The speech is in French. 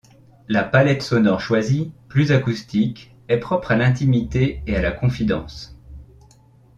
La palette sonore choisie, plus acoustique, est propre à l'intimité et à la confidence.